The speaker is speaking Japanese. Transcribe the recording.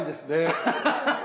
アハハハハ！